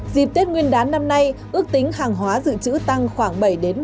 dịp tết nguyên đán năm nay ước tính hàng hóa dự trữ tăng khoảng bảy ba mươi